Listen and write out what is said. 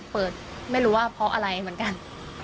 ไม่รู้ว่าเพราะอะไรเหมือนกัน